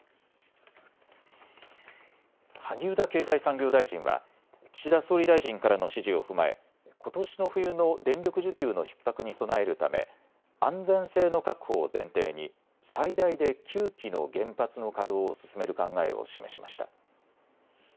萩生田経済産業大臣は岸田総理大臣からの指示を踏まえことしの冬の電力需給のひっ迫に備えるため、安全性の確保を前提に最大で９基の原発の稼働を進める考えを示しました。